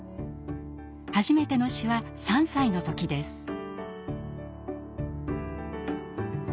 初めての詩は３歳の時です。